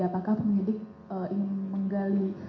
apakah penyidik ingin menggali